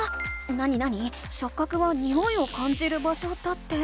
なになに「しょっ角はにおいを感じる場所」だって。